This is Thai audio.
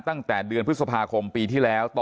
ตั้งแต่เดือนพฤษภาคมปีที่แล้ว